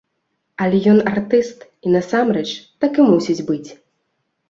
Але ён артыст, і насамрэч, так і мусіць быць!